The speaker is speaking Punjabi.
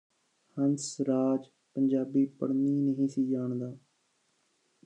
ਹੰਸ ਰਾਜ ਪੰਜਾਬੀ ਪੜ੍ਹਨੀ ਨਹੀਂ ਸੀ ਜਾਣਦਾ